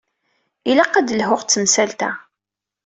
Ilaq ad d-lhuɣ d temsalt-a.